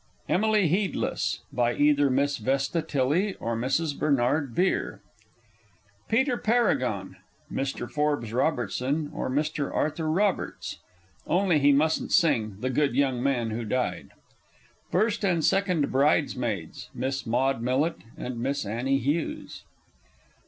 Emily Heedless. By either Miss VESTA TILLEY or Mrs. BERNARD BEERE. Peter Paragon. Mr. FORBES ROBERTSON or Mr. ARTHUR ROBERTS (only he mustn't sing "The Good Young Man who Died"). First and Second Bridesmaids. Miss MAUDE MILLETT and Miss ANNIE HUGHES.